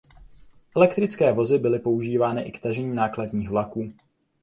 Elektrické vozy byly používány i k tažení nákladních vlaků.